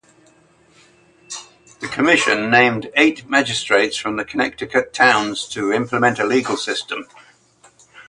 The Commission named eight magistrates from the Connecticut towns to implement a legal system.